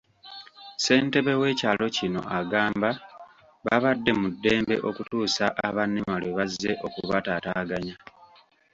Ssentebe w'ekyalo kino agamba babadde mu ddembe okutuusa aba NEMA lwebazze okubataataaganya.